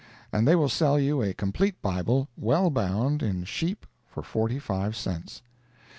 And they will sell you a complete Bible, well bound in sheep, for forty five cents.